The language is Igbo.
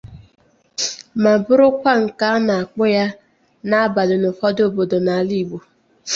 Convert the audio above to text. ma bụrụkwa nke a na-akpụ ya n'abalị n'ụfọdụ obodo n'ala Igbo